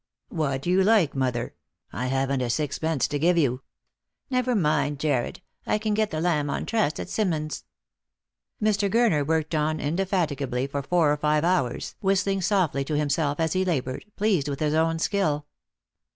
" What you like, mother. I haven't a sixpence to give you." " Never mind, Jarred ; I can get the lamb on trust at Sim mons's." Mr. Gurner worked on indefatigably for four or five hours, whistling softly to himself as he laboured, pleased with his own skill.